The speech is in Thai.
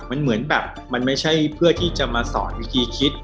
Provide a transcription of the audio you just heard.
มันเหมือนแบบมันไม่ใช่เพื่อที่จะมาสอนวิธีคิด